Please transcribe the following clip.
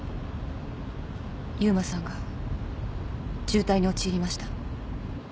悠馬さんが重体に陥りました。